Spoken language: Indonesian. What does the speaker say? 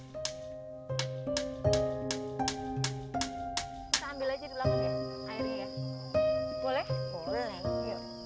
kita ambil aja di belakang ya airnya ya